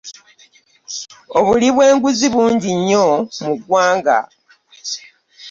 obuli bw'enguzi bungi nnyo mu ggwanga .